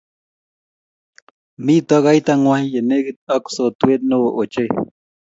Mito kaita ngwang ye lekit ak sotwee ne oo ochei.